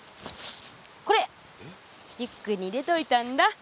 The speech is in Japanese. これリュックに入れといたんだ。